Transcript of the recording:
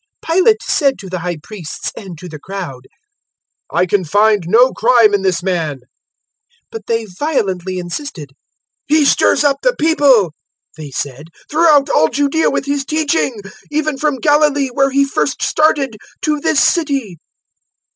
023:004 Pilate said to the High Priests and to the crowd, "I can find no crime in this man." 023:005 But they violently insisted. "He stirs up the people," they said, "throughout all Judaea with His teaching even from Galilee (where He first started) to this city."